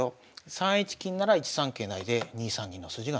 ３一金なら１三桂成で２三銀の筋が残る。